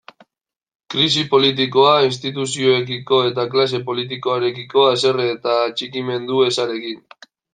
Krisi politikoa, instituzioekiko eta klase politikoarekiko haserre eta atxikimendu ezarekin.